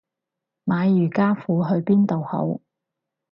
買瑜伽褲去邊度好